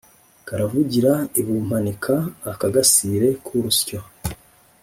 Karavugira i Bumpanika-Akagasire ku rushyo.